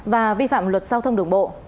và vi phạm luật giao thông đường bộ